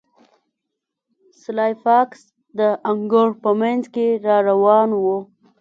سلای فاکس د انګړ په مینځ کې را روان و